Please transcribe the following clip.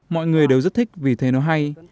mọi người đều rất thích vì thấy nó hay